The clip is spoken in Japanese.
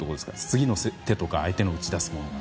次の手とか相手の打ち出すものが。